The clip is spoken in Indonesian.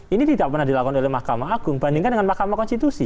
ini tidak pernah dilakukan oleh mahkamah agung bandingkan dengan mahkamah konstitusi